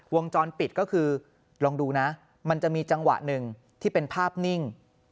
วงจรปิดก็คือลองดูนะมันจะมีจังหวะหนึ่งที่เป็นภาพนิ่ง